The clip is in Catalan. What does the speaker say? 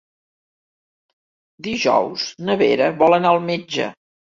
Dijous na Vera vol anar al metge.